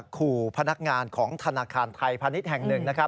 ขู่พนักงานของธนาคารไทยพาณิชย์แห่งหนึ่ง